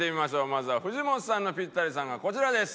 まずは藤本さんのピッタリさんがこちらです。